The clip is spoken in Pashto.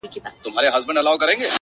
د فرهادي فکر څښتن تاته په تا وايي!